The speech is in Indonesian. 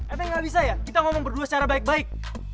ethan gak bisa ya kita ngomong berdua secara baik baik